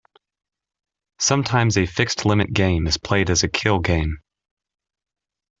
Sometimes a fixed-limit game is played as a kill game.